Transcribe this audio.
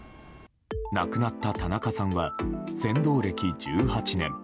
亡くなった田中さんは船頭歴１８年。